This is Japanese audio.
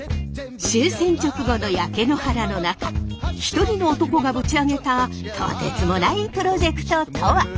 終戦直後の焼け野原の中一人の男がぶち上げたとてつもないプロジェクトとは？